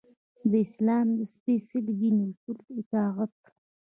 د اسلام د سپیڅلي دین اصولو اطاعت.